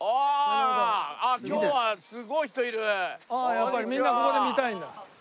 やっぱりみんなここで見たいんだ。